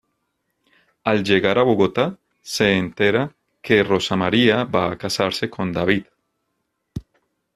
Al llegar a Bogotá, se entera que Rosa María va a casarse con David.